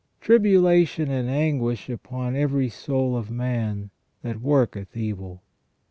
Tribulation and anguish upon every soul of man that worketh evil."